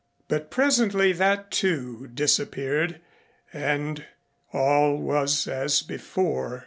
But presently that, too, disappeared and all was as before.